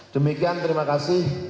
demikian terima kasih